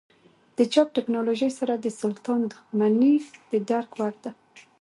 د چاپ ټکنالوژۍ سره د سلطان دښمني د درک وړ ده.